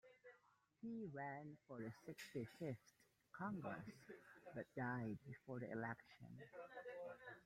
He ran for the Sixty Fifth Congress, but died before the election.